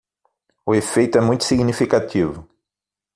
O efeito é muito significativo